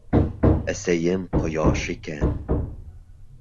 ӘСӘЙЕМ ҠОЯШ ИКӘН...